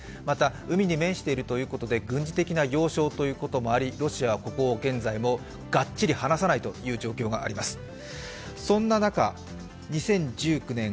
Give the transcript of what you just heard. また、海に面しているということで軍事的な要衝ということもありロシアはここも現在もがっちり離さないという状況があります。